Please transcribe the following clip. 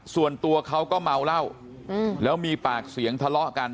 ส่วนตัวเขาก็เมาเหล้าแล้วมีปากเสียงทะเลาะกัน